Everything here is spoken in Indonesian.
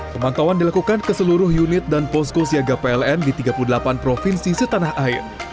pemantauan dilakukan ke seluruh unit dan posko siaga pln di tiga puluh delapan provinsi setanah air